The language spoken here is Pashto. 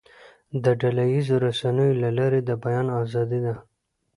د ډله ییزو رسنیو له لارې د بیان آزادي ده.